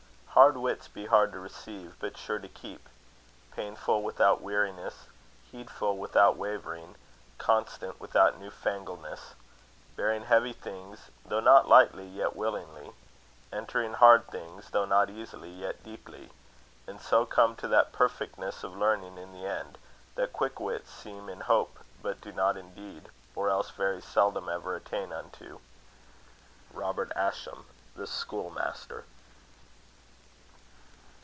Hard wits be hard to receive, but sure to keep; painful without weariness, heedful without wavering, constant without new fangleness; bearing heavy things, though not lightly, yet willingly; entering hard things, though not easily, yet deeply; and so come to that perfectness of learning in the end, that quick wits seem in hope but do not in deed, or else very seldom ever attain unto. ROGER ASCHAM. The Schoolmaster.